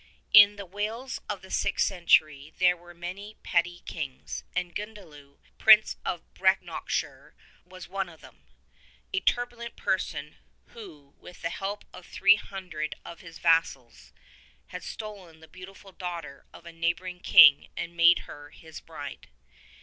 In the Wales of the Sixth Century there were many petty kings, and Gundliew, Prince of Brenockshire, was one of them — a turbulent person who with the help of three hun dred of his vassals had stolen the beautiful daughter of a neighboring king and made her his bride.